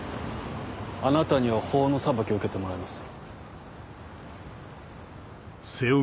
あなたには法の裁きを受けてもらいます。